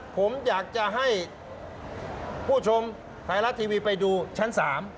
ผมอยากจะให้ผู้ชมไทยรัฐทีวีไปดูชั้น๓